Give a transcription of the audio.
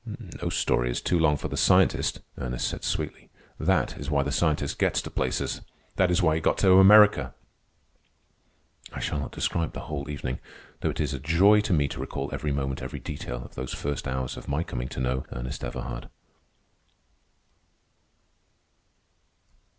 "No story is too long for the scientist," Ernest said sweetly. "That is why the scientist gets to places. That is why he got to America." I shall not describe the whole evening, though it is a joy to me to recall every moment, every detail, of those first hours of my coming to know Ernest Everhard.